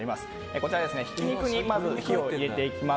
こちらはひき肉にまず火を入れていきます。